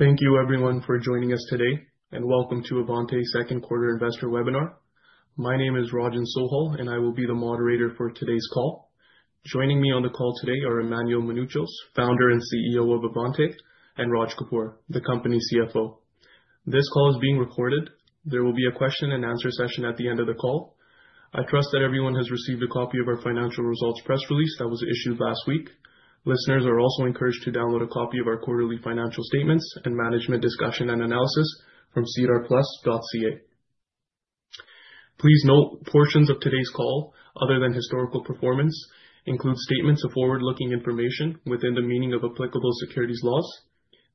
Thank you, everyone, for joining us today, and Welcome to Avante second quarter Investor Webinar. My name is Rajan Sohal, and I will be the moderator for today's call. Joining me on the call today are Emmanuel Mounouchos, Founder and CEO of Avante, and Raj Kapoor, the Company CFO. This call is being recorded. There will be a question-and-answer session at the end of the call. I trust that everyone has received a copy of our financial results press release that was issued last week. Listeners are also encouraged to download a copy of our quarterly financial statements and management discussion and analysis from cedarplus.ca. Please note portions of today's call, other than historical performance, include statements of forward-looking information within the meaning of applicable securities laws.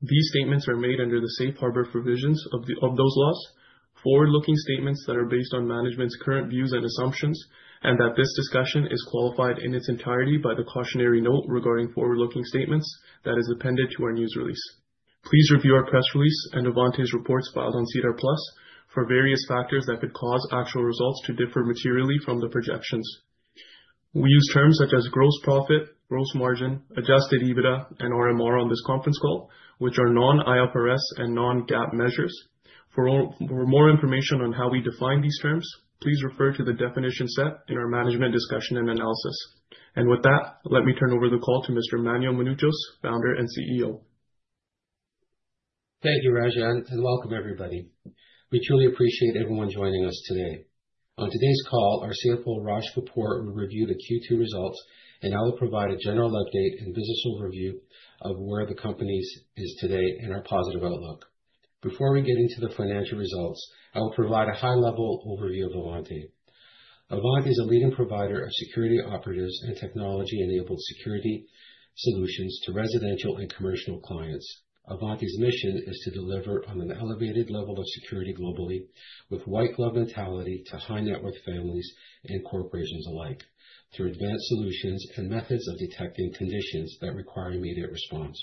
These statements are made under the safe harbor provisions of those laws, forward-looking statements that are based on management's current views and assumptions, and that this discussion is qualified in its entirety by the cautionary note regarding forward-looking statements that is appended to our news release. Please review our press release and Avante's reports filed on SEDAR+ for various factors that could cause actual results to differ materially from the projections. We use terms such as gross profit, gross margin, adjusted EBITDA, and RMR on this conference call, which are non-IFRS and non-GAAP measures. For more information on how we define these terms, please refer to the definition set in our management discussion and analysis. With that, let me turn over the call to Mr. Emmanuel Mounouchos, Founder and CEO. Thank you, Rajan, and welcome, everybody. We truly appreciate everyone joining us today. On today's call, our CFO, Raj Kapoor, will review the Q2 results, and I will provide a general update and business overview of where the company is today and our positive outlook. Before we get into the financial results, I will provide a high-level overview of Avante. Avante is a leading provider of security operatives and technology-enabled security solutions to residential and commercial clients. Avante's mission is to deliver on an elevated level of security globally with white-glove mentality to high-net-worth families and corporations alike through advanced solutions and methods of detecting conditions that require immediate response.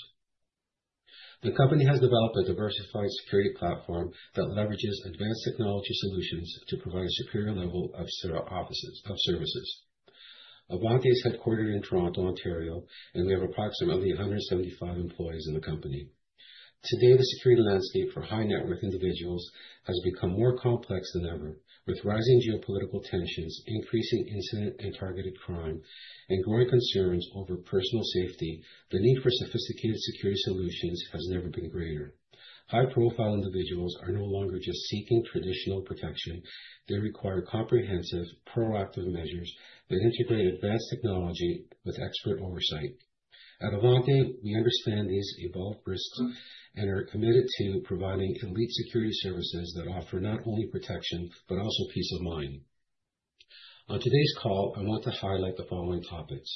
The company has developed a diversified security platform that leverages advanced technology solutions to provide a superior level of services. Avante is headquartered in Toronto, Ontario, and we have approximately 175 employees in the company. Today, the security landscape for high-net-worth individuals has become more complex than ever. With rising geopolitical tensions, increasing incident and targeted crime, and growing concerns over personal safety, the need for sophisticated security solutions has never been greater. High-profile individuals are no longer just seeking traditional protection; they require comprehensive, proactive measures that integrate advanced technology with expert oversight. At Avante, we understand these evolved risks and are committed to providing elite security services that offer not only protection but also peace of mind. On today's call, I want to highlight the following topics.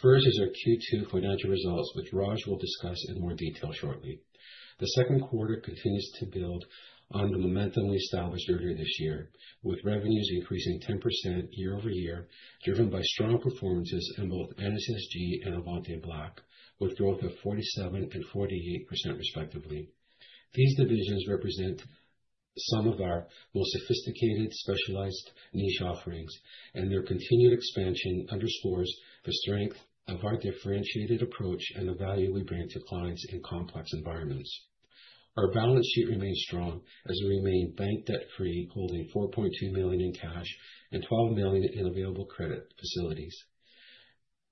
First is our Q2 financial results, which Raj will discuss in more detail shortly. The second quarter continues to build on the momentum we established earlier this year, with revenues increasing 10% year-over-year, driven by strong performances in both NSSG and Avante Black, with growth of 47% and 48%, respectively. These divisions represent some of our most sophisticated, specialized niche offerings, and their continued expansion underscores the strength of our differentiated approach and the value we bring to clients in complex environments. Our balance sheet remains strong as we remain bank debt-free, holding 4.2 million in cash and 12 million in available credit facilities,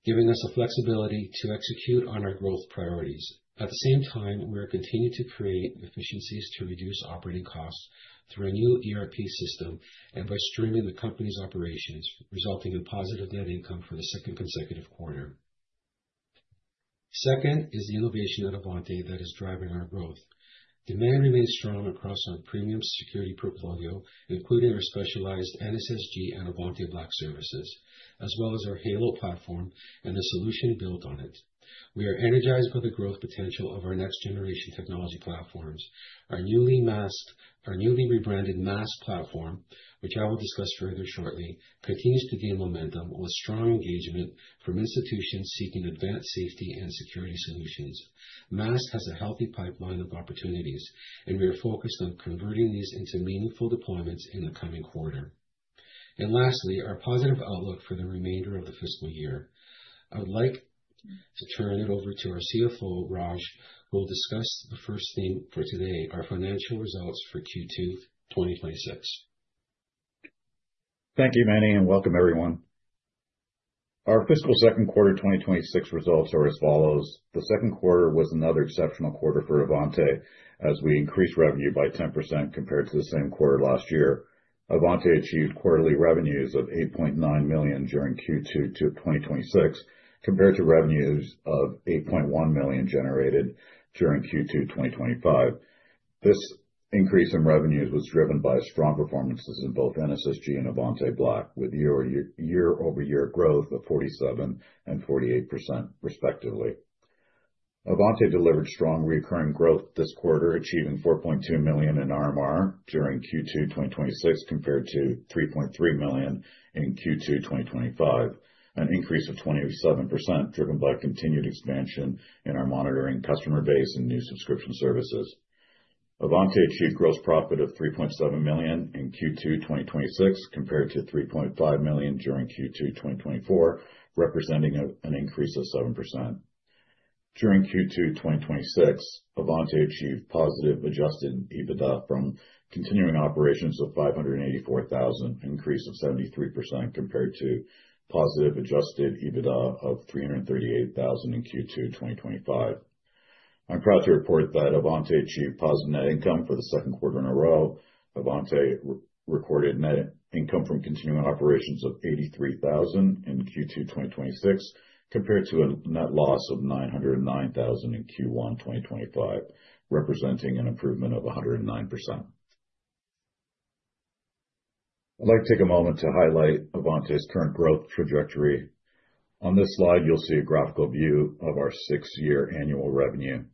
giving us the flexibility to execute on our growth priorities. At the same time, we are continuing to create efficiencies to reduce operating costs through a new ERP system and by streamlining the company's operations, resulting in positive net income for the second consecutive quarter. Second is the innovation at Avante that is driving our growth. Demand remains strong across our premium security portfolio, including our specialized NSSG and Avante Black services, as well as our Halo platform and the solution built on it. We are energized by the growth potential of our next-generation technology platforms. Our newly rebranded MAST platform, which I will discuss further shortly, continues to gain momentum with strong engagement from institutions seeking advanced safety and security solutions. MAST has a healthy pipeline of opportunities, and we are focused on converting these into meaningful deployments in the coming quarter. Our positive outlook for the remainder of the fiscal year. I would like to turn it over to our CFO, Raj, who will discuss the first theme for today, our financial results for Q2 2026. Thank you, Manny, and welcome, everyone. Our fiscal second quarter 2026 results are as follows. The second quarter was another exceptional quarter for Avante as we increased revenue by 10% compared to the same quarter last year. Avante achieved quarterly revenues of 8.9 million during Q2 2026 compared to revenues of 8.1 million generated during Q2 2025. This increase in revenues was driven by strong performances in both NSSG and Avante Black, with year-over-year growth of 47% and 48%, respectively. Avante delivered strong recurring growth this quarter, achieving 4.2 million in RMR during Q2 2026 compared to 3.3 million in Q2 2025, an increase of 27% driven by continued expansion in our monitoring customer base and new subscription services. Avante achieved gross profit of 3.7 million in Q2 2026 compared to 3.5 million during Q2 2024, representing an increase of 7%. During Q2 2026, Avante achieved positive adjusted EBITDA from continuing operations of 584,000, an increase of 73% compared to positive adjusted EBITDA of 338,000 in Q2 2025. I'm proud to report that Avante achieved positive net income for the second quarter in a row. Avante recorded net income from continuing operations of 83,000 in Q2 2026 compared to a net loss of 909,000 in Q1 2025, representing an improvement of 109%. I'd like to take a moment to highlight Avante's current growth trajectory. On this slide, you'll see a graphical view of our six-year annual revenue.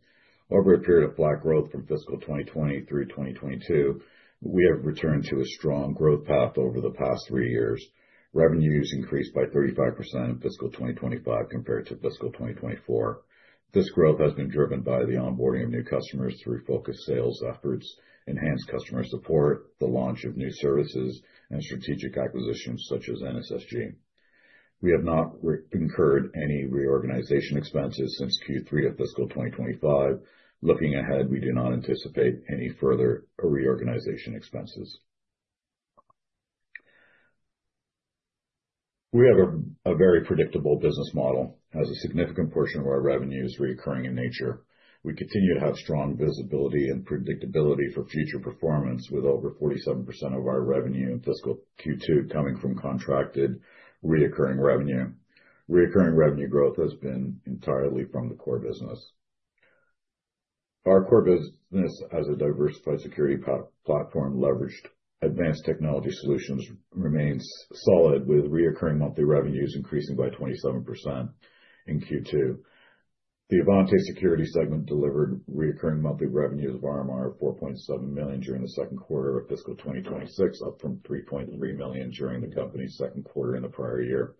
Over a period of flat growth from fiscal 2020 through 2022, we have returned to a strong growth path over the past three years. Revenues increased by 35% in fiscal 2025 compared to fiscal 2024. This growth has been driven by the onboarding of new customers through focused sales efforts, enhanced customer support, the launch of new services, and strategic acquisitions such as NSSG. We have not incurred any reorganization expenses since Q3 of fiscal 2025. Looking ahead, we do not anticipate any further reorganization expenses. We have a very predictable business model as a significant portion of our revenue is recurring in nature. We continue to have strong visibility and predictability for future performance, with over 47% of our revenue in fiscal Q2 coming from contracted recurring revenue. Recurring revenue growth has been entirely from the core business. Our core business, as a diversified security platform, leveraged advanced technology solutions, remains solid, with recurring monthly revenues increasing by 27% in Q2. The Avante security segment delivered recurring monthly revenues of RMR of 4.7 million during the second quarter of fiscal 2026, up from 3.3 million during the company's second quarter in the prior year.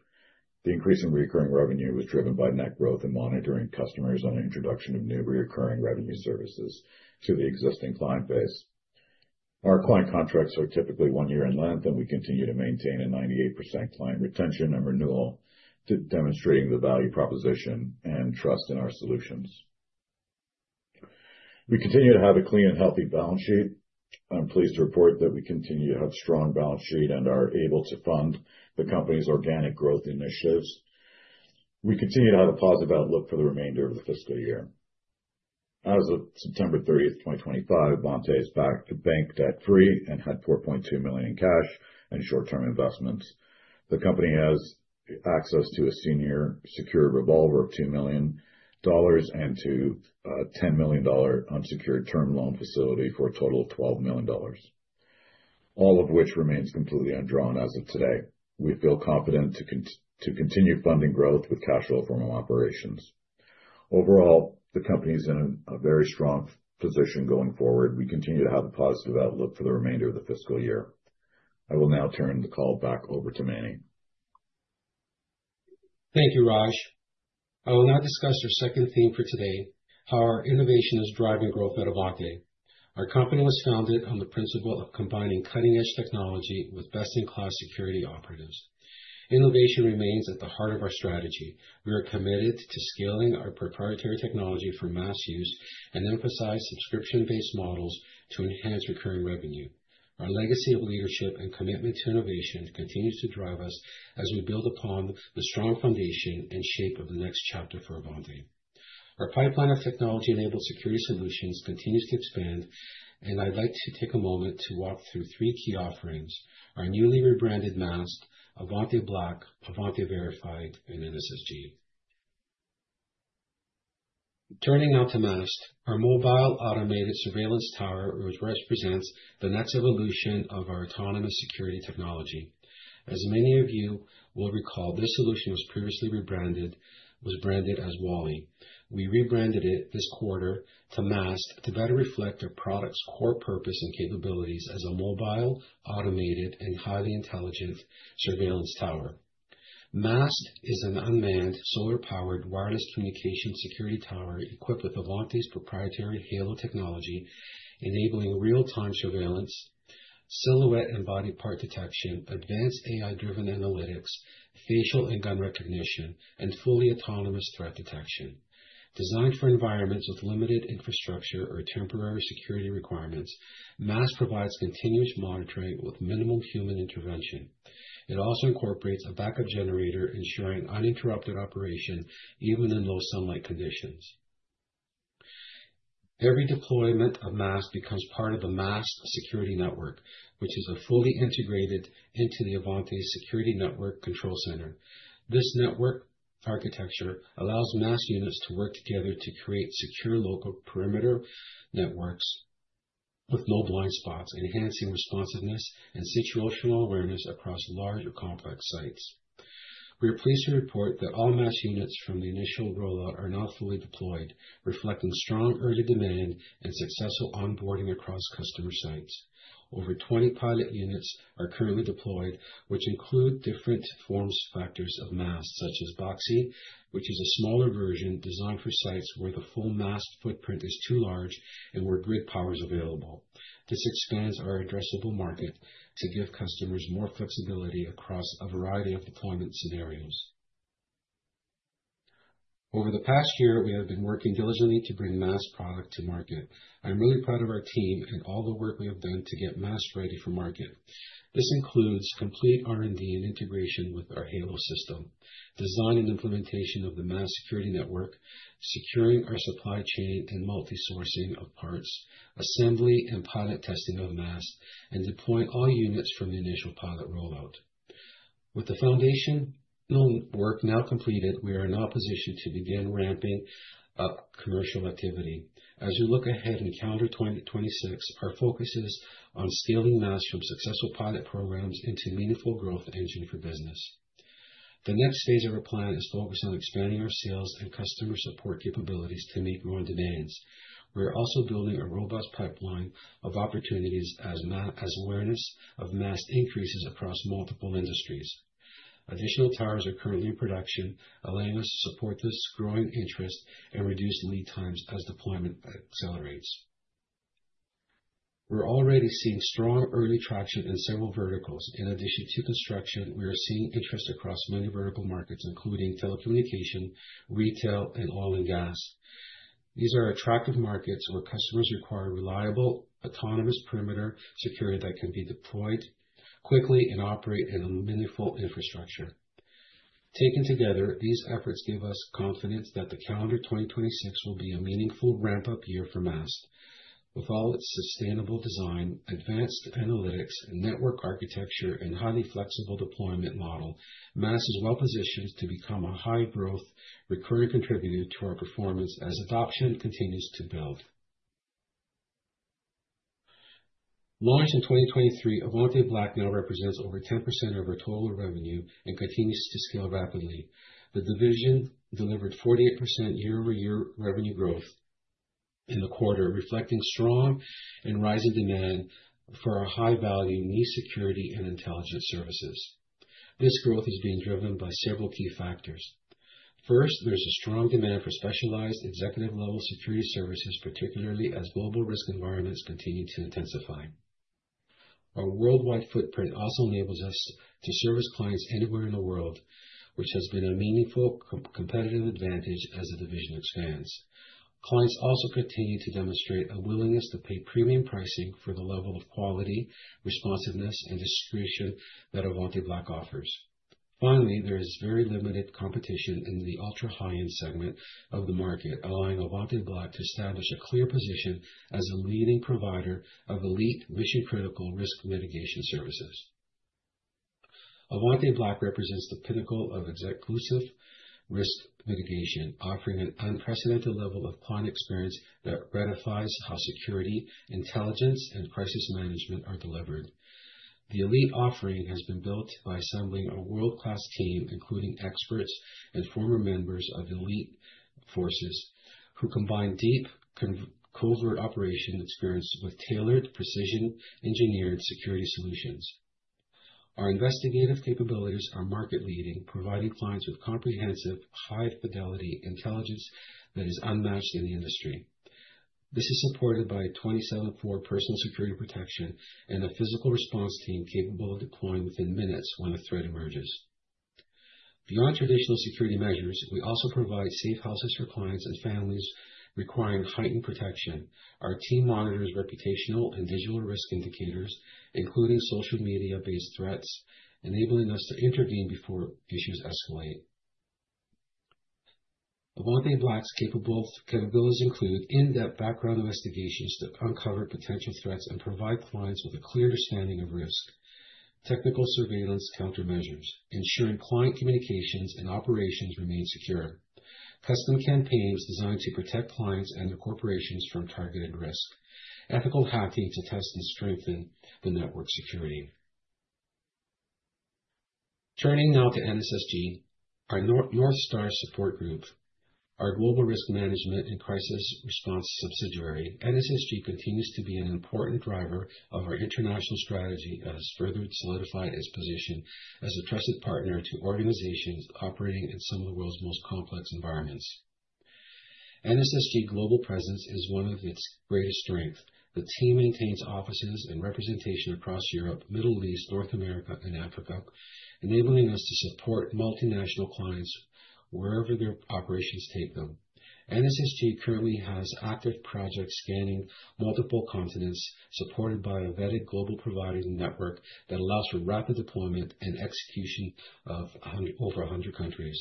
The increase in recurring revenue was driven by net growth in monitoring customers and the introduction of new recurring revenue services to the existing client base. Our client contracts are typically one year in length, and we continue to maintain a 98% client retention and renewal, demonstrating the value proposition and trust in our solutions. We continue to have a clean and healthy balance sheet. I'm pleased to report that we continue to have a strong balance sheet and are able to fund the company's organic growth initiatives. We continue to have a positive outlook for the remainder of the fiscal year. As of September 30th, 2025, Avante is back to bank debt-free and had 4.2 million in cash and short-term investments. The company has access to a senior secure revolver of 2 million dollars and to a 10 million dollar unsecured term loan facility for a total of 12 million dollars, all of which remains completely undrawn as of today. We feel confident to continue funding growth with cash flow from our operations. Overall, the company is in a very strong position going forward. We continue to have a positive outlook for the remainder of the fiscal year. I will now turn the call back over to Manny. Thank you, Raj. I will now discuss our second theme for today, how our innovation is driving growth at Avante. Our company was founded on the principle of combining cutting-edge technology with best-in-class security operatives. Innovation remains at the heart of our strategy. We are committed to scaling our proprietary technology for mass use and emphasize subscription-based models to enhance recurring revenue. Our legacy of leadership and commitment to innovation continues to drive us as we build upon the strong foundation and shape of the next chapter for Avante. Our pipeline of technology-enabled security solutions continues to expand, and I'd like to take a moment to walk through three key offerings: our newly rebranded MAST, Avante Black, Avante Verified, and NSSG. Turning now to MAST, our mobile automated surveillance tower represents the next evolution of our autonomous security technology. As many of you will recall, this solution was previously rebranded as WALL-E. We rebranded it this quarter to MAST to better reflect our product's core purpose and capabilities as a mobile, automated, and highly intelligent surveillance tower. MAST is an unmanned, solar-powered, wireless communication security tower equipped with Avante's proprietary Halo technology, enabling real-time surveillance, silhouette and body part detection, advanced AI-driven analytics, facial and gun recognition, and fully autonomous threat detection. Designed for environments with limited infrastructure or temporary security requirements, MAST provides continuous monitoring with minimal human intervention. It also incorporates a backup generator, ensuring uninterrupted operation even in low sunlight conditions. Every deployment of MAST becomes part of the MAST security network, which is fully integrated into the Avante security network control center. This network architecture allows MAST units to work together to create secure local perimeter networks with no blind spots, enhancing responsiveness and situational awareness across large or complex sites. We are pleased to report that all MAST units from the initial rollout are now fully deployed, reflecting strong early demand and successful onboarding across customer sites. Over 20 pilot units are currently deployed, which include different forms and factors of MAST, such as [BOXY], which is a smaller version designed for sites where the full MAST footprint is too large and where grid power is available. This expands our addressable market to give customers more flexibility across a variety of deployment scenarios. Over the past year, we have been working diligently to bring MAST product to market. I'm really proud of our team and all the work we have done to get MAST ready for market. This includes complete R&D and integration with our Halo system, design and implementation of the MAST security network, securing our supply chain and multi-sourcing of parts, assembly and pilot testing of MAST, and deploying all units from the initial pilot rollout. With the foundational work now completed, we are now positioned to begin ramping up commercial activity. As we look ahead in calendar 2026, our focus is on scaling MAST from successful pilot programs into a meaningful growth engine for business. The next phase of our plan is focused on expanding our sales and customer support capabilities to meet growing demands. We are also building a robust pipeline of opportunities as awareness of MAST increases across multiple industries. Additional towers are currently in production, allowing us to support this growing interest and reduce lead times as deployment accelerates. We're already seeing strong early traction in several verticals. In addition to construction, we are seeing interest across many vertical markets, including telecommunication, retail, and oil and gas. These are attractive markets where customers require reliable, autonomous perimeter security that can be deployed quickly and operate in a meaningful infrastructure. Taken together, these efforts give us confidence that the calendar 2026 will be a meaningful ramp-up year for MAST. With all its sustainable design, advanced analytics, network architecture, and highly flexible deployment model, MAST is well-positioned to become a high-growth recurring contributor to our performance as adoption continues to build. Launched in 2023, Avante Black now represents over 10% of our total revenue and continues to scale rapidly. The division delivered 48% year-over-year revenue growth in the quarter, reflecting strong and rising demand for our high-value, need-security, and intelligence services. This growth is being driven by several key factors. First, there's a strong demand for specialized executive-level security services, particularly as global risk environments continue to intensify. Our worldwide footprint also enables us to service clients anywhere in the world, which has been a meaningful competitive advantage as the division expands. Clients also continue to demonstrate a willingness to pay premium pricing for the level of quality, responsiveness, and discretion that Avante Black offers. Finally, there is very limited competition in the ultra-high-end segment of the market, allowing Avante Black to establish a clear position as a leading provider of elite mission-critical risk mitigation services. Avante Black represents the pinnacle of exclusive risk mitigation, offering an unprecedented level of client experience that ratifies how security, intelligence, and crisis management are delivered. The elite offering has been built by assembling a world-class team, including experts and former members of elite forces who combine deep covert operation experience with tailored, precision-engineered security solutions. Our investigative capabilities are market-leading, providing clients with comprehensive, high-fidelity intelligence that is unmatched in the industry. This is supported by 24/7 personal security protection and a physical response team capable of deploying within minutes when a threat emerges. Beyond traditional security measures, we also provide safe houses for clients and families requiring heightened protection. Our team monitors reputational and digital risk indicators, including social media-based threats, enabling us to intervene before issues escalate. Avante Black's capabilities include in-depth background investigations to uncover potential threats and provide clients with a clear understanding of risk. Technical surveillance countermeasures, ensuring client communications and operations remain secure. Custom campaigns designed to protect clients and their corporations from targeted risk. Ethical hacking to test and strengthen the network security. Turning now to NSSG, our North Star Support Group, our global risk management and crisis response subsidiary. NSSG continues to be an important driver of our international strategy and has further solidified its position as a trusted partner to organizations operating in some of the world's most complex environments. NSSG's global presence is one of its greatest strengths. The team maintains offices and representation across Europe, the Middle East, North America, and Africa, enabling us to support multinational clients wherever their operations take them. NSSG currently has active projects spanning multiple continents, supported by a vetted global provider network that allows for rapid deployment and execution in over 100 countries.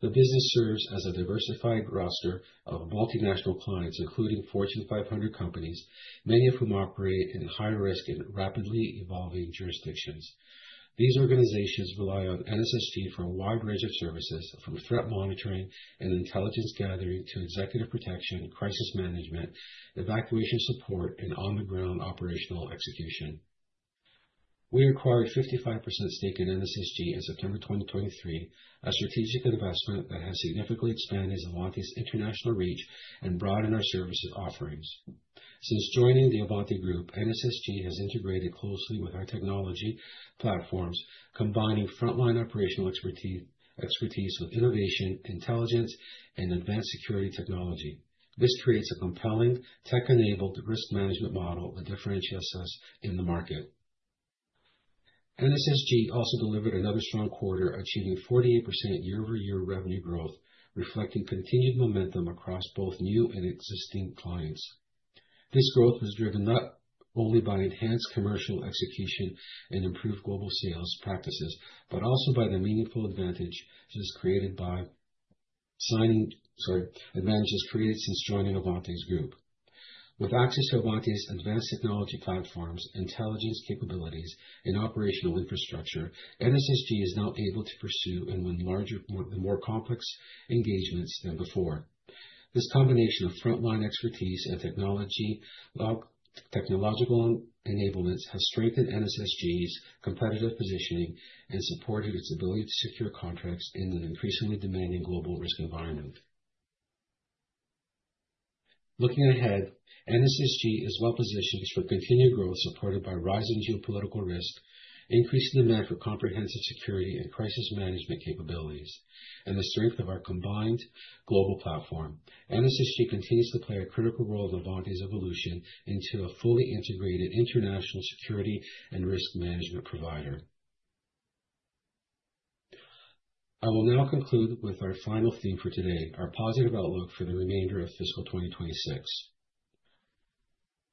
The business serves a diversified roster of multinational clients, including Fortune 500 companies, many of whom operate in high-risk and rapidly evolving jurisdictions. These organizations rely on NSSG for a wide range of services, from threat monitoring and intelligence gathering to executive protection, crisis management, evacuation support, and on-the-ground operational execution. We acquired a 55% stake in NSSG in September 2023, a strategic investment that has significantly expanded Avante's international reach and broadened our services offerings. Since joining the Avante Group, NSSG has integrated closely with our technology platforms, combining frontline operational expertise with innovation, intelligence, and advanced security technology. This creates a compelling, tech-enabled risk management model that differentiates us in the market. NSSG also delivered another strong quarter, achieving 48% year-over-year revenue growth, reflecting continued momentum across both new and existing clients. This growth was driven not only by enhanced commercial execution and improved global sales practices, but also by the meaningful advantages created since joining Avante's Group. With access to Avante's advanced technology platforms, intelligence capabilities, and operational infrastructure, NSSG is now able to pursue and win larger and more complex engagements than before. This combination of frontline expertise and technological enablements has strengthened NSSG's competitive positioning and supported its ability to secure contracts in an increasingly demanding global risk environment. Looking ahead, NSSG is well-positioned for continued growth supported by rising geopolitical risk, increasing demand for comprehensive security and crisis management capabilities, and the strength of our combined global platform. NSSG continues to play a critical role in Avante's evolution into a fully integrated international security and risk management provider. I will now conclude with our final theme for today, our positive outlook for the remainder of fiscal 2026.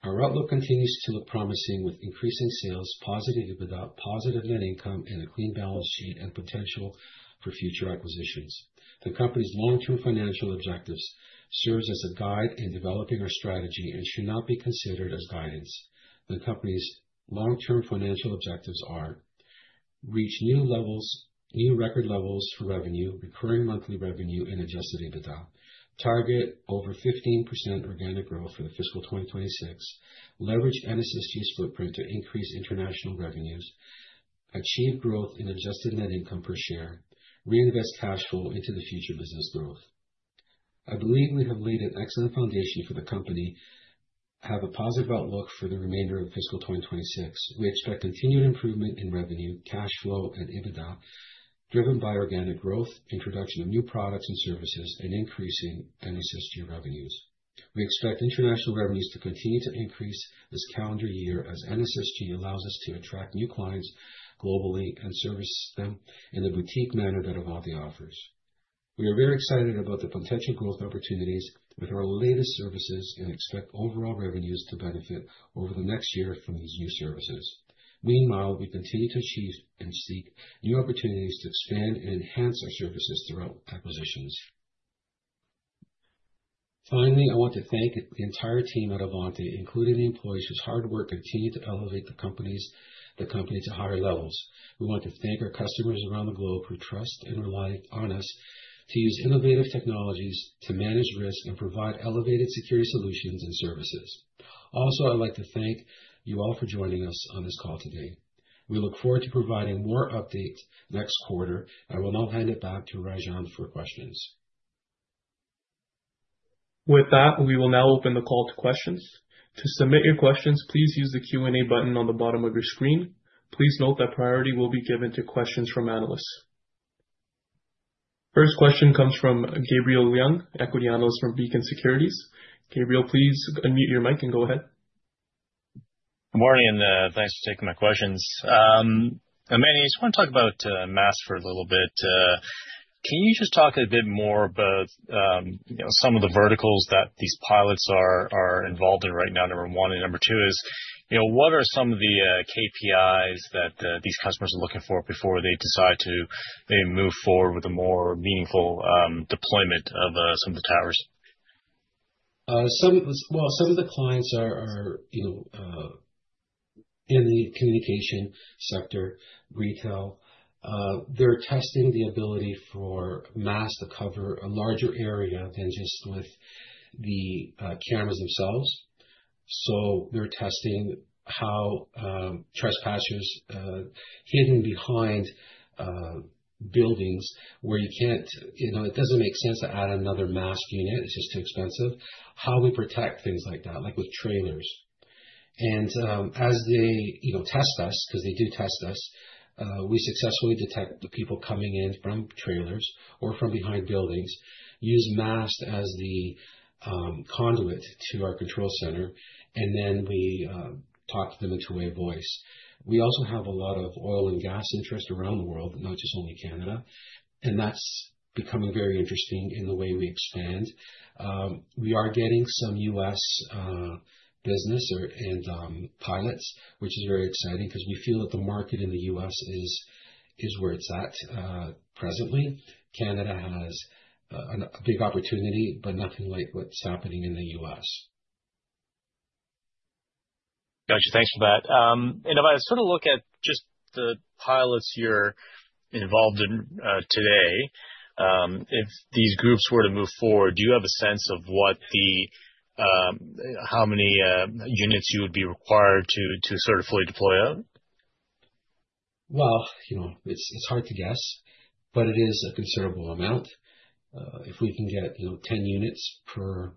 Our outlook continues to look promising with increasing sales, positive net income, and a clean balance sheet and potential for future acquisitions. The company's long-term financial objectives serve as a guide in developing our strategy and should not be considered as guidance. The company's long-term financial objectives are: reach new record levels for revenue, recurring monthly revenue, and adjusted EBITDA, target over 15% organic growth for the fiscal 2026, leverage NSSG's footprint to increase international revenues, achieve growth in adjusted net income per share, reinvest cash flow into the future business growth. I believe we have laid an excellent foundation for the company to have a positive outlook for the remainder of fiscal 2026. We expect continued improvement in revenue, cash flow, and EBITDA driven by organic growth, introduction of new products and services, and increasing NSSG revenues. We expect international revenues to continue to increase this calendar year as NSSG allows us to attract new clients globally and service them in a boutique manner that Avante offers. We are very excited about the potential growth opportunities with our latest services and expect overall revenues to benefit over the next year from these new services. Meanwhile, we continue to achieve and seek new opportunities to expand and enhance our services through acquisitions. Finally, I want to thank the entire team at Avante, including the employees whose hard work continues to elevate the company to higher levels. We want to thank our customers around the globe who trust and rely on us to use innovative technologies to manage risk and provide elevated security solutions and services. Also, I'd like to thank you all for joining us on this call today. We look forward to providing more updates next quarter. I will now hand it back to Rajan for questions. With that, we will now open the call to questions. To submit your questions, please use the Q&A button on the bottom of your screen. Please note that priority will be given to questions from analysts. First question comes from Gabriel Leung, Equity Analyst from Beacon Securities. Gabriel, please unmute your mic and go ahead. Good morning and thanks for taking my questions. Manny, I just want to talk about MAST for a little bit. Can you just talk a bit more about some of the verticals that these pilots are involved in right now? Number one and number two is, what are some of the KPIs that these customers are looking for before they decide to move forward with a more meaningful deployment of some of the towers? Some of the clients are in the communication sector, retail. They are testing the ability for MAST to cover a larger area than just with the cameras themselves. They're testing how trespassers hidden behind buildings where you can't—it doesn't make sense to add another MAST unit. It's just too expensive. How we protect things like that, like with trailers. As they test us, because they do test us, we successfully detect the people coming in from trailers or from behind buildings, use MAST as the conduit to our control center, and then we talk to them in two-way voice. We also have a lot of oil and gas interest around the world, not just only Canada, and that's becoming very interesting in the way we expand. We are getting some U.S. business and pilots, which is very exciting because we feel that the market in the U.S. is where it's at presently. Canada has a big opportunity, but nothing like what's happening in the U.S. Gotcha. Thanks for that. If I sort of look at just the pilots you're involved in today, if these groups were to move forward, do you have a sense of how many units you would be required to sort of fully deploy out? It is hard to guess, but it is a considerable amount. If we can get 10 units per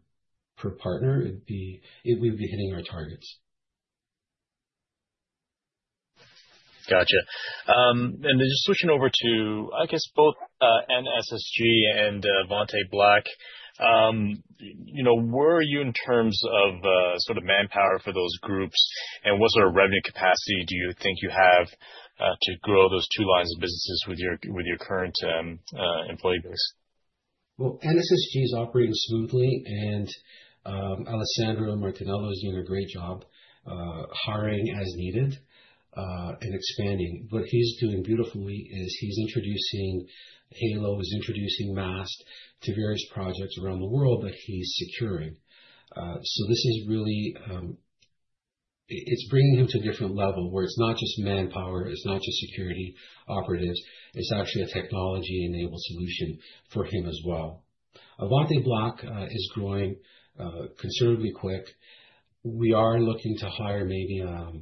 partner, we would be hitting our targets. Gotcha. Just switching over to, I guess, both NSSG and Avante Black, where are you in terms of sort of manpower for those groups, and what sort of revenue capacity do you think you have to grow those two lines of businesses with your current employee base? NSSG is operating smoothly, and Alessandro Martello is doing a great job hiring as needed and expanding. What he's doing beautifully is he's introducing Halo, he's introducing MAST to various projects around the world that he's securing. This is really, it's bringing him to a different level where it's not just manpower, it's not just security operatives, it's actually a technology-enabled solution for him as well. Avante Black is growing considerably quick. We are looking to hire maybe a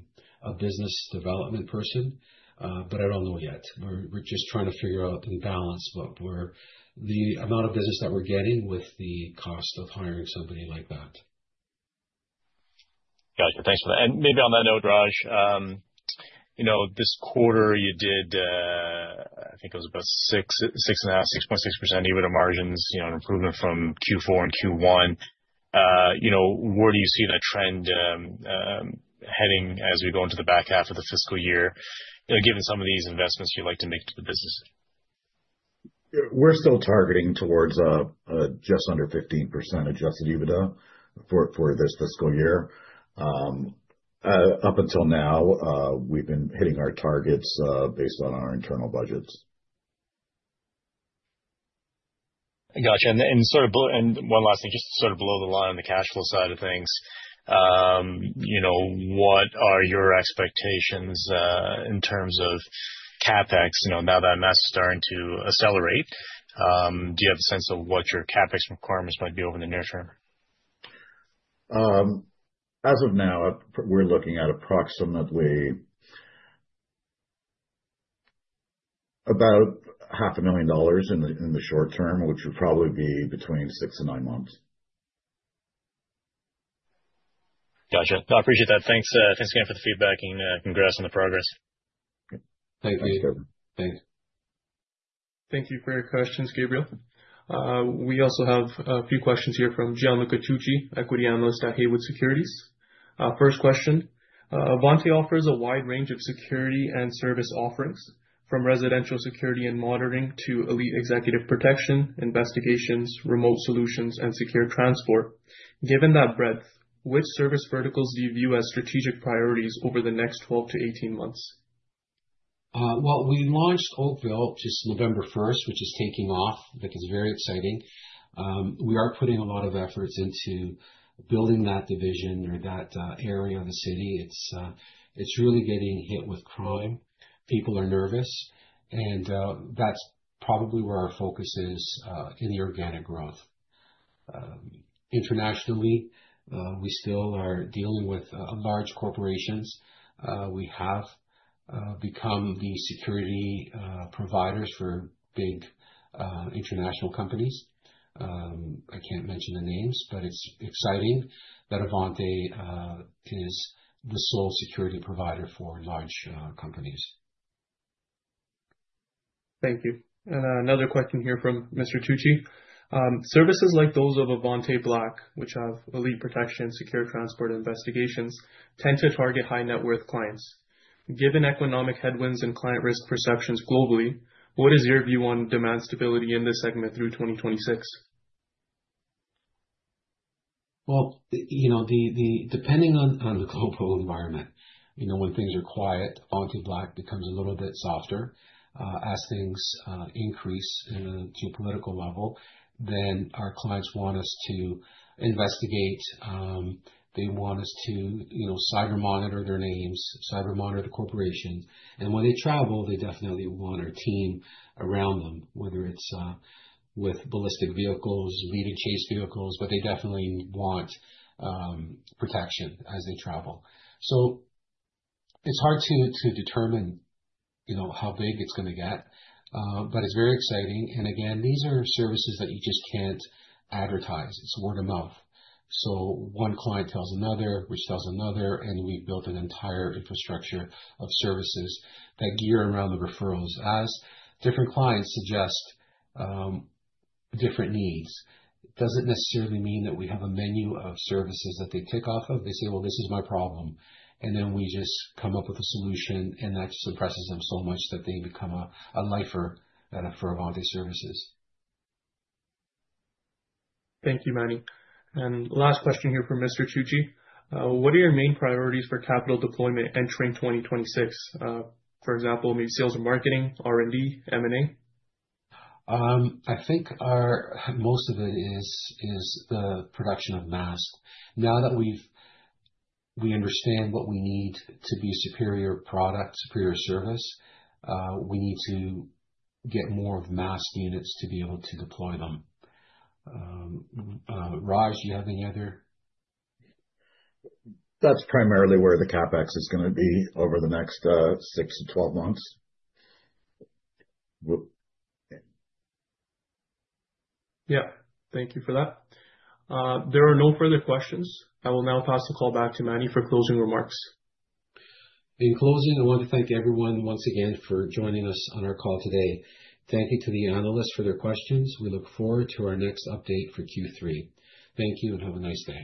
business development person, but I don't know yet. We're just trying to figure out and balance the amount of business that we're getting with the cost of hiring somebody like that. Gotcha. Thanks for that. Maybe on that note, Raj, this quarter you did, I think it was about 6.6% EBITDA margins, an improvement from Q4 and Q1. Where do you see that trend heading as we go into the back half of the fiscal year, given some of these investments you'd like to make to the business? We're still targeting towards just under 15% adjusted EBITDA for this fiscal year. Up until now, we've been hitting our targets based on our internal budgets. Gotcha. And one last thing, just sort of below the line on the cash flow side of things, what are your expectations in terms of CapEx now that MAST is starting to accelerate? Do you have a sense of what your CapEx requirements might be over the near term? As of now, we're looking at approximately about $500,000 in the short term, which would probably be between six and nine months. Gotcha. I appreciate that. Thanks again for the feedback and congrats on the progress. Thank you. Thank you for your questions, Gabriel. We also have a few questions here from Gianluca Tucci, Equity Analyst at Haywood Securities. First question, Avante offers a wide range of security and service offerings, from residential security and monitoring to elite executive protection, investigations, remote solutions, and secure transport. Given that breadth, which service verticals do you view as strategic priorities over the next 12 to 18 months? We launched Oakville just November 1st, which is taking off. It is very exciting. We are putting a lot of efforts into building that division or that area of the city. It is really getting hit with crime. People are nervous. That is probably where our focus is in the organic growth. Internationally, we still are dealing with large corporations. We have become the security providers for big international companies. I can't mention the names, but it's exciting that Avante is the sole security provider for large companies. Thank you. Another question here from Mr. Tucci. Services like those of Avante Black, which have elite protection, secure transport, and investigations, tend to target high-net-worth clients. Given economic headwinds and client risk perceptions globally, what is your view on demand stability in this segment through 2026? Depending on the global environment, when things are quiet, Avante Black becomes a little bit softer as things increase to a political level. Our clients want us to investigate. They want us to cyber monitor their names, cyber monitor the corporation. When they travel, they definitely want our team around them, whether it's with ballistic vehicles, lead-and-chase vehicles, but they definitely want protection as they travel. It's hard to determine how big it's going to get, but it's very exciting. These are services that you just can't advertise. It's word of mouth. One client tells another, which tells another, and we've built an entire infrastructure of services that gear around the referrals. As different clients suggest different needs, it doesn't necessarily mean that we have a menu of services that they tick off of. They say, "This is my problem." We just come up with a solution, and that impresses them so much that they become a lifer for Avante services. Thank you, Manny. Last question here for Mr. Tucci. What are your main priorities for capital deployment entering 2026? For example, maybe sales and marketing, R&D, M&A? I think most of it is the production of MAST. Now that we understand what we need to be a superior product, superior service, we need to get more of MAST units to be able to deploy them. Raj, do you have any other? That is primarily where the CapEx is going to be over the next 6 months-12 months. Yeah. Thank you for that. There are no further questions. I will now pass the call back to Manny for closing remarks. In closing, I want to thank everyone once again for joining us on our call today. Thank you to the analysts for their questions. We look forward to our next update for Q3. Thank you and have a nice day.